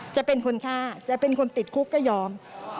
จะเป็นคนฆ่าจะเป็นคนติดคุกก็ยอม